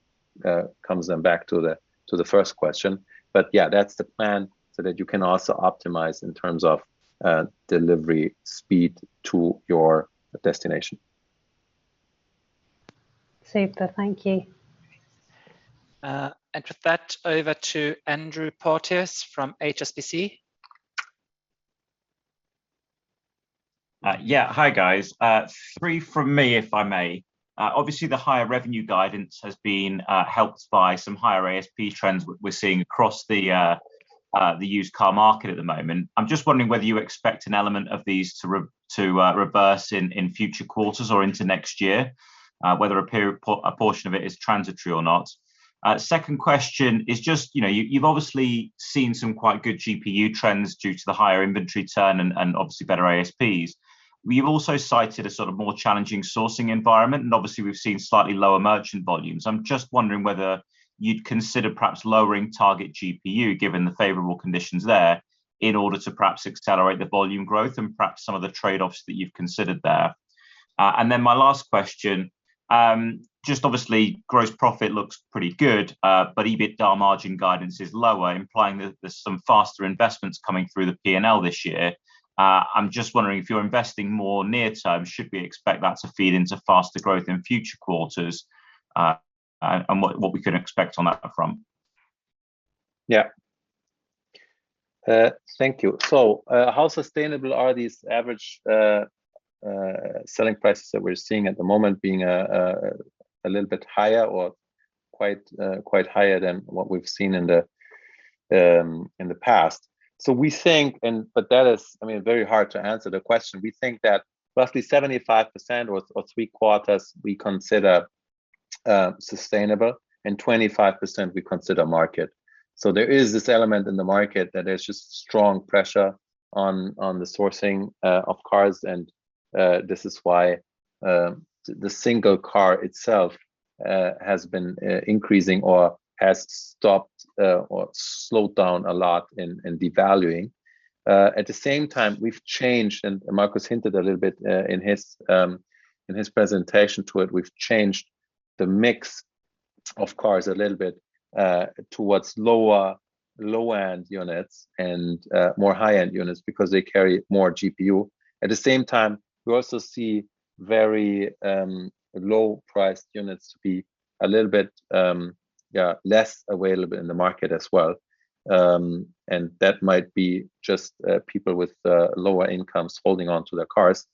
comes then back to the first question. That's the plan so that you can also optimize in terms of delivery speed to your destination. Received that. Thank you. With that, over to Andrew Porteous from HSBC. Hi, guys. Three from me, if I may. Obviously, the higher revenue guidance has been helped by some higher ASP trends we're seeing across the used car market at the moment. I'm just wondering whether you expect an element of these to reverse in future quarters or into next year, whether a portion of it is transitory or not. Second question is just, you've obviously seen some quite good GPU trends due to the higher inventory turn and obviously better ASPs. We've also cited a sort of more challenging sourcing environment, and obviously, we've seen slightly lower Merchant volumes. I'm just wondering whether you'd consider perhaps lowering target GPU, given the favorable conditions there, in order to perhaps accelerate the volume growth and perhaps some of the trade-offs that you've considered there. My last question, just obviously gross profit looks pretty good, but EBITDA margin guidance is lower, implying that there's some faster investments coming through the P&L this year. I'm just wondering if you're investing more near term, should we expect that to feed into faster growth in future quarters, and what we can expect on that front? Yeah. Thank you. How sustainable are these average selling prices that we're seeing at the moment being a little bit higher or quite higher than what we've seen in the past? We think that is very hard to answer the question. We think that roughly 75% or three quarters we consider sustainable and 25% we consider market. There is this element in the market that there's just strong pressure on the sourcing of cars and this is why the single car itself has been increasing or has stopped or slowed down a lot in devaluing. At the same time, we've changed, and Markus hinted a little bit in his presentation to it, we've changed the mix of cars a little bit towards lower low-end units and more high-end units because they carry more GPU. We also see very low-priced units to be a little bit less available in the market as well. That might be just people with lower incomes holding onto their cars.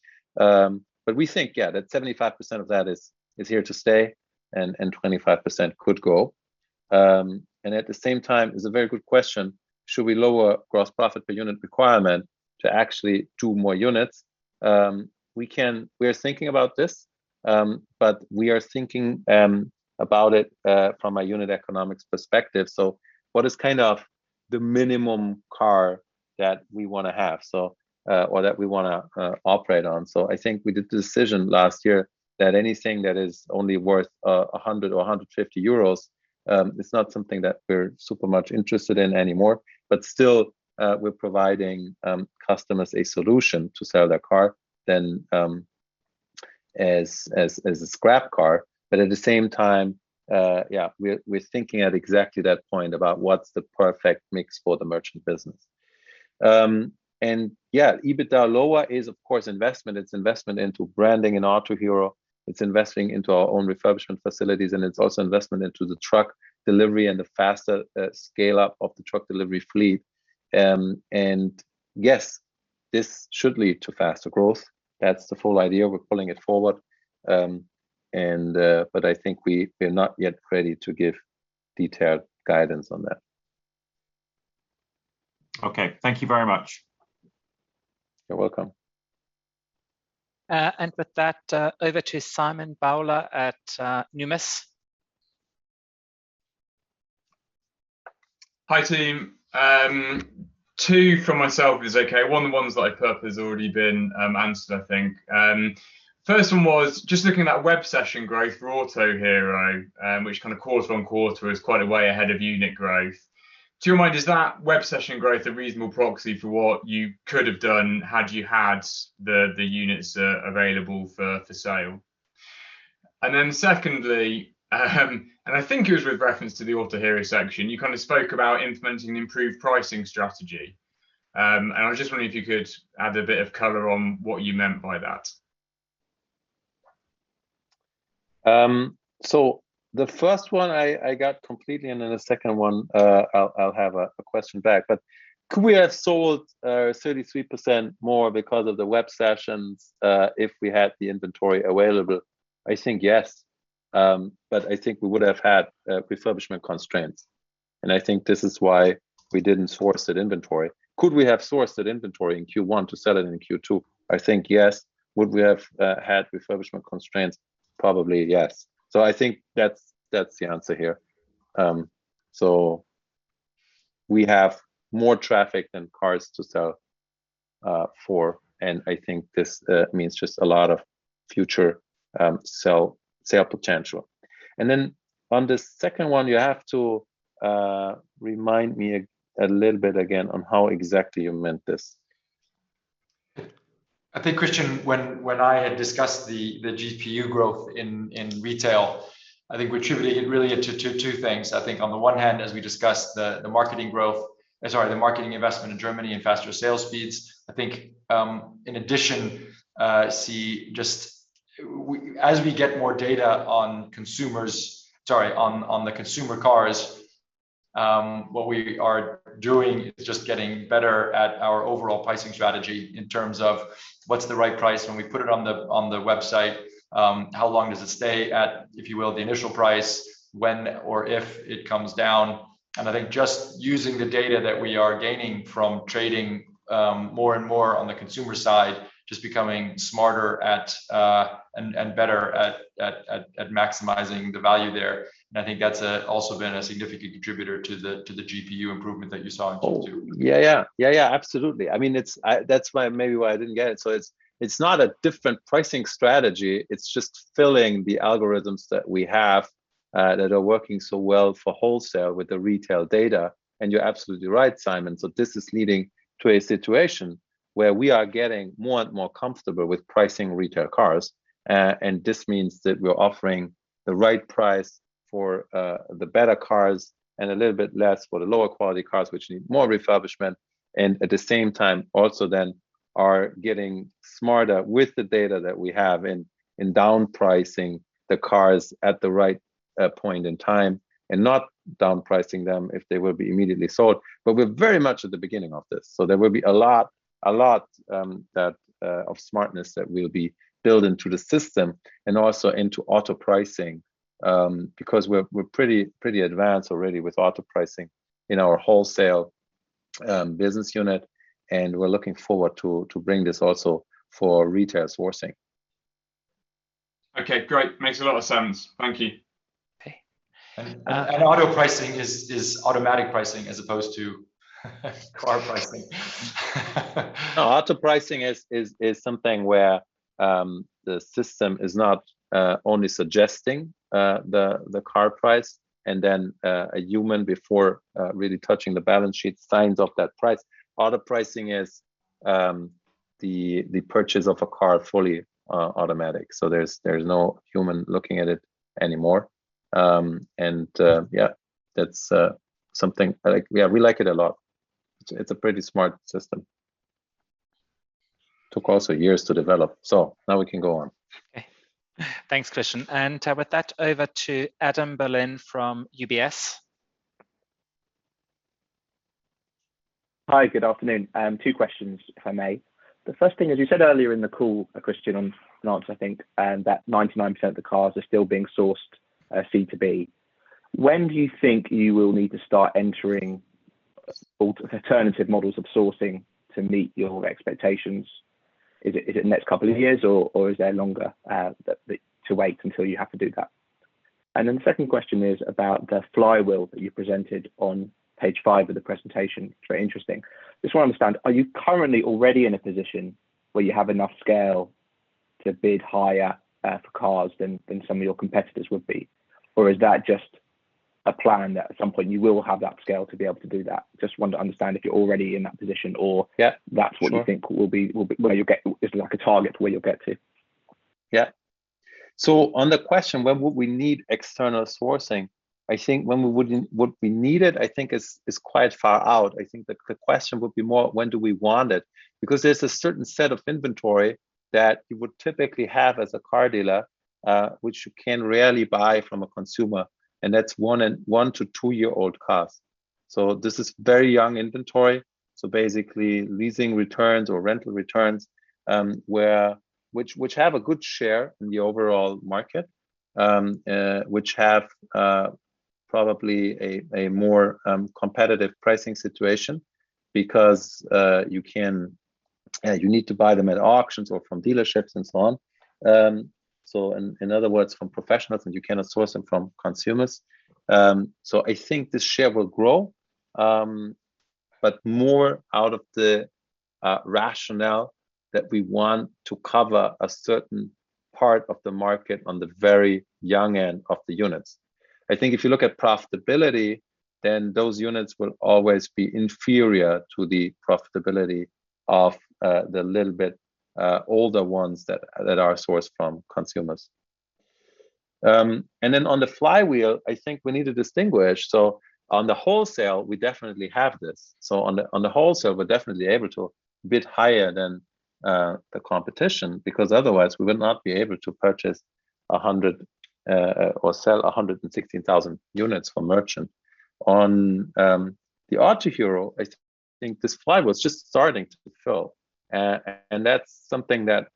We think that 75% of that is here to stay and 25% could go. At the same time, it's a very good question, should we lower gross profit per unit requirement to actually do more units? We are thinking about this, we are thinking about it from a unit economics perspective. What is the minimum car that we want to have or that we want to operate on. I think we did the decision last year that anything that is only worth 100 or 150 euros, it's not something that we're super much interested in anymore. Still, we're providing customers a solution to sell their car than as a scrap car. At the same time, we're thinking at exactly that point about what's the perfect mix for the Merchant business. EBITDA lower is, of course, investment. It's investment into branding and Autohero. It's investing into our own refurbishment facilities, and it's also investment into the truck delivery and the faster scale-up of the truck delivery fleet. Yes, this should lead to faster growth. That's the full idea. We're pulling it forward. I think we're not yet ready to give detailed guidance on that. Okay. Thank you very much. You're welcome. With that, over to Simon Bowler at Numis. Hi, team. Two from myself is okay. One of the ones that I prepped has already been answered, I think. First one was just looking at that web session growth for Autohero, which quarter-on-quarter is quite a way ahead of unit growth. To your mind, is that web session growth a reasonable proxy for what you could have done had you had the units available for sale? Then secondly, I think it was with reference to the Autohero section, you spoke about implementing improved pricing strategy. I was just wondering if you could add a bit of color on what you meant by that. The first one I got completely. The second one, I'll have a question back. Could we have sold 33% more because of the web sessions if we had the inventory available? I think yes, but I think we would have had refurbishment constraints. I think this is why we didn't source that inventory. Could we have sourced that inventory in Q1 to sell it in Q2? I think yes. Would we have had refurbishment constraints? Probably yes. I think that's the answer here. We have more traffic than cars to sell for. I think this means just a lot of future sale potential. On the second one, you have to remind me a little bit again on how exactly you meant this. I think, Christian, when I had discussed the GPU growth in retail, I think we attributed really it to two things. I think on the one hand, as we discussed, the marketing growth, or sorry, the marketing investment in Germany and faster sales speeds. I think, in addition, see just as we get more data on consumers Sorry, on the consumer cars, what we are doing is just getting better at our overall pricing strategy in terms of what's the right price when we put it on the website, how long does it stay at, if you will, the initial price, when or if it comes down. I think just using the data that we are gaining from trading more and more on the consumer side, just becoming smarter at and better at maximizing the value there. I think that's also been a significant contributor to the GPU improvement that you saw in Q2. Yeah. Absolutely. I mean, that's maybe why I didn't get it. It's not a different pricing strategy, it's just filling the algorithms that we have that are working so well for wholesale with the Retail data. You're absolutely right, Simon, this is leading to a situation where we are getting more and more comfortable with pricing Retail cars. This means that we're offering the right price for the better cars and a little bit less for the lower quality cars, which need more refurbishment. At the same time, also then are getting smarter with the data that we have in down pricing the cars at the right point in time and not down pricing them if they will be immediately sold. We're very much at the beginning of this. There will be a lot of smartness that will be built into the system and also into auto pricing, because we're pretty advanced already with auto pricing in our Merchant segment. We're looking forward to bring this also for retail sourcing. Okay, great. Makes a lot of sense. Thank you. Okay. Auto pricing is automatic pricing as opposed to car pricing. Auto pricing is something where the system is not only suggesting the car price and then a human, before really touching the balance sheet, signs off that price. Auto pricing is the purchase of a car fully automatic. There's no human looking at it anymore. Yeah, that's something like Yeah, we like it a lot. It's a pretty smart system. Took also years to develop, so now we can go on. Okay. Thanks, Christian. With that, over to Adam Berlin from UBS. Hi. Good afternoon. Two questions, if I may. The first thing is, you said earlier in the call, Christian and Markus, I think, that 99% of the cars are still being sourced C2B. When do you think you will need to start entering alternative models of sourcing to meet your expectations? Is it in the next couple of years, or is there longer to wait until you have to do that? The second question is about the flywheel that you presented on page five of the presentation. Very interesting. Just want to understand, are you currently already in a position where you have enough scale to bid higher for cars than some of your competitors would be? Or is that just a plan that at some point you will have that scale to be able to do that? Just want to understand if you're already in that position. Yeah, sure. That's what you think is a target where you'll get to. On the question, when would we need external sourcing? I think when would we need it is quite far out. I think the question would be more when do we want it? There's a certain set of inventory that you would typically have as a car dealer, which you can rarely buy from a consumer, that's one to two-year-old cars. This is very young inventory. Basically leasing returns or rental returns, which have a good share in the overall market, which have probably a more competitive pricing situation because you need to buy them at auctions or from dealerships and so on. In other words, from professionals, you cannot source them from consumers. I think the share will grow, but more out of the rationale that we want to cover a certain part of the market on the very young end of the units. I think if you look at profitability, then those units will always be inferior to the profitability of the little bit older ones that are sourced from consumers. On the flywheel, I think we need to distinguish. On the Wholesale, we definitely have this. On the Wholesale, we're definitely able to bid higher than the competition because otherwise we will not be able to purchase 100 or sell 116,000 units for Merchant. On the Autohero, I think this flywheel's just starting to fill, and that's something that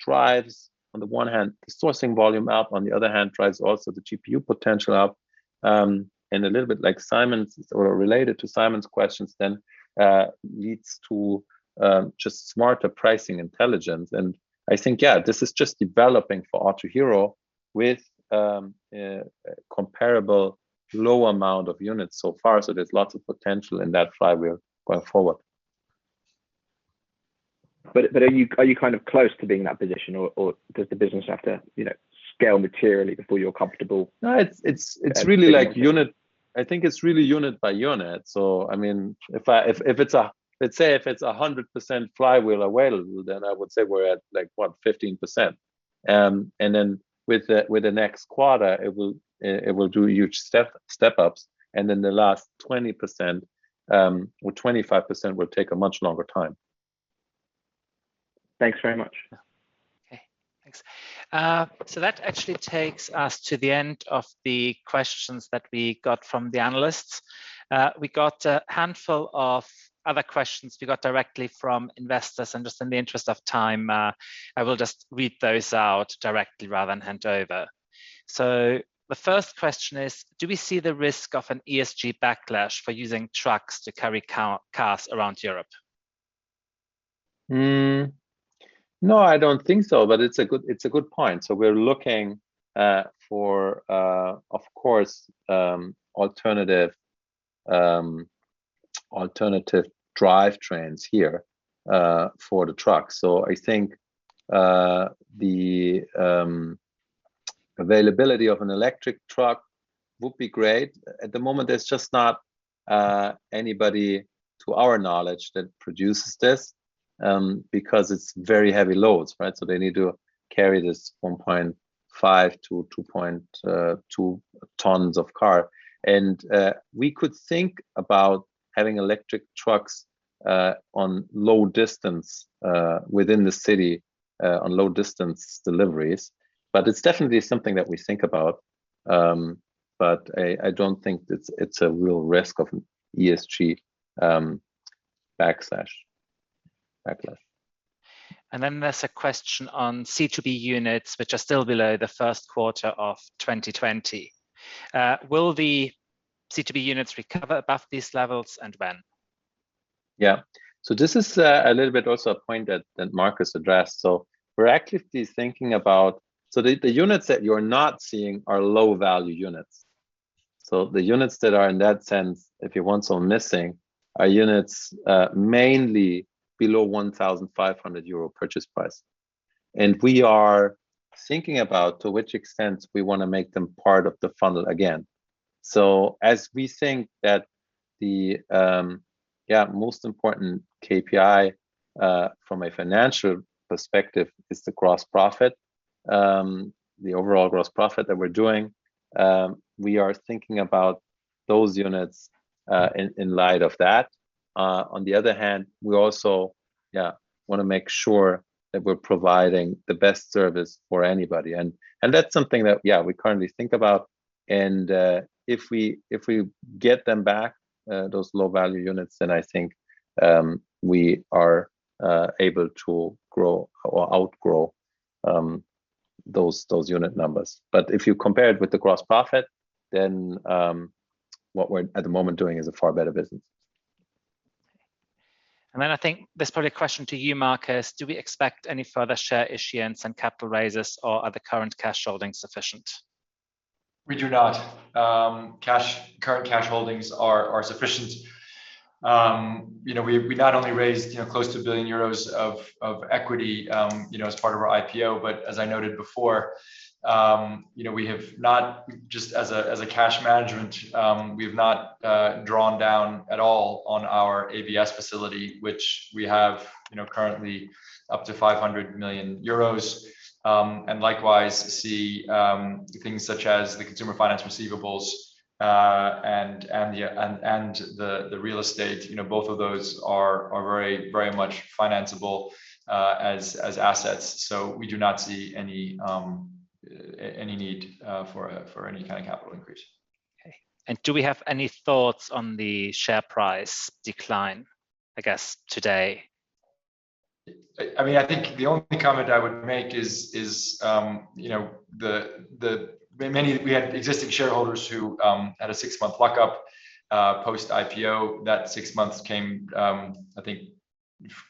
drives, on the one hand, the sourcing volume up, on the other hand, drives also the GPU potential up. A little bit like Simon's, or related to Simon's questions then, leads to just smarter pricing intelligence. I think, yeah, this is just developing for Autohero with comparable low amount of units so far. There's lots of potential in that flywheel going forward. Are you close to being in that position, or does the business have to scale materially before you're comfortable? No, I think it's really unit by unit. Let's say if it's 100% flywheel available, then I would say we're at, what, 15%. With the next quarter, it will do huge step-ups, and then the last 20% or 25% will take a much longer time. Thanks very much. Yeah. Okay, thanks. That actually takes us to the end of the questions that we got from the analysts. We got a handful of other questions we got directly from investors, and just in the interest of time, I will just read those out directly rather than hand over. The first question is: do we see the risk of an ESG backlash for using trucks to carry cars around Europe? No, I don't think so, but it's a good point. We're looking for, of course, alternative drivetrains here for the trucks. I think the availability of an electric truck would be great. At the moment, there's just not anybody, to our knowledge, that produces this, because it's very heavy loads, right? They need to carry this 1.5-2.2 tons of car. We could think about having electric trucks on low distance within the city, on low-distance deliveries. It's definitely something that we think about, but I don't think it's a real risk of ESG backlash. There's a question on C2B units, which are still below the first quarter of 2020. Will the C2B units recover above these levels, and when? This is a little bit also a point that Markus addressed. The units that you're not seeing are low-value units. The units that are, in that sense, if you want, sort of missing, are units mainly below 1,500 euro purchase price. We are thinking about to which extent we want to make them part of the funnel again. As we think that the most important KPI from a financial perspective is the gross profit, the overall gross profit that we're doing, we are thinking about those units in light of that. On the other hand, we also want to make sure that we're providing the best service for anybody. That's something that we currently think about, and if we get them back, those low-value units, then I think we are able to outgrow those unit numbers. If you compare it with the gross profit, then what we're at the moment doing is a far better business. I think this is probably a question to you, Markus. Do we expect any further share issuance and capital raises, or are the current cash holdings sufficient? We do not. Current cash holdings are sufficient. We not only raised close to 1 billion euros of equity as part of our IPO, but as I noted before, just as a cash management, we have not drawn down at all on our ABS facility, which we have currently up to 500 million euros. Likewise, see things such as the consumer finance receivables and the real estate, both of those are very much financeable as assets. We do not see any need for any kind of capital increase. Okay. Do we have any thoughts on the share price decline, I guess, today? I think the only comment I would make is we had existing shareholders who had a six-month lock-up post-IPO. That six months came, I think,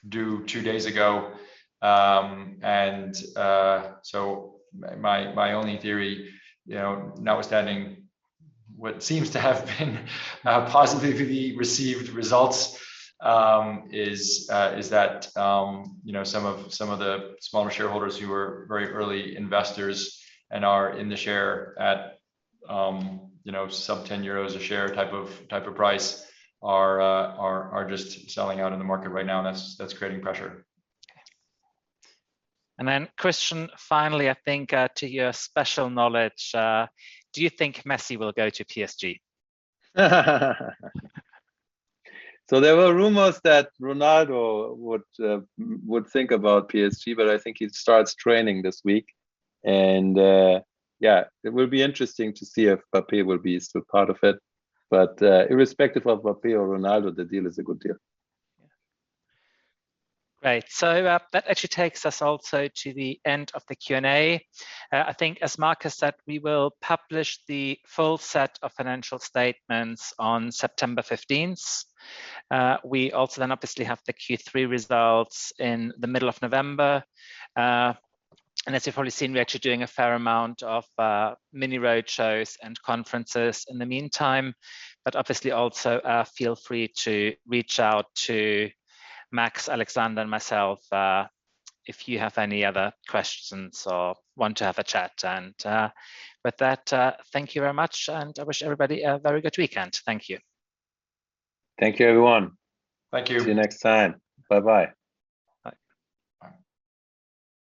due two days ago. My only theory notwithstanding what seems to have been positively received results, is that some of the smaller shareholders who were very early investors and are in the share at sub 10 euros a share type of price are just selling out in the market right now, and that's creating pressure. Okay. Christian, finally, I think to your special knowledge, do you think Messi will go to PSG? There were rumors that Ronaldo would think about PSG, but I think he starts training this week, and it will be interesting to see if Mbappe will be still part of it. Irrespective of Mbappe or Ronaldo, the deal is a good deal. Yeah. Great. That actually takes us also to the end of the Q&A. I think as Markus said, we will publish the full set of financial statements on September 15th. We also then obviously have the Q3 results in the middle of November. As you've probably seen, we're actually doing a fair amount of mini roadshows and conferences in the meantime, but obviously also feel free to reach out to Max, Alexander, and myself if you have any other questions or want to have a chat. With that, thank you very much, and I wish everybody a very good weekend. Thank you. Thank you, everyone. Thank you. See you next time. Bye-bye. Bye. Bye.